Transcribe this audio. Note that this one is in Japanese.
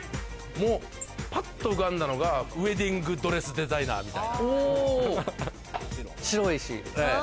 ぱっと浮かんだのが、ウェディングドレスデザイナーみたいな。